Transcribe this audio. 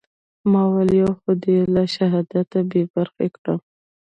ما وويل يو خو دې له شهادته بې برخې کړم.